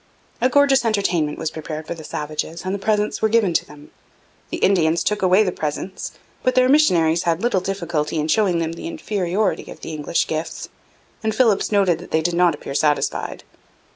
A gorgeous entertainment was prepared for the savages, and the presents were given to them. The Indians took away the presents, but their missionaries had little difficulty in showing them the inferiority of the English gifts; and Philipps noted that they did not appear satisfied.